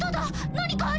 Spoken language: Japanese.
何かある。